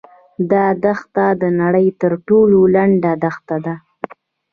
دا دښته د نړۍ تر ټولو لنډه دښته ده.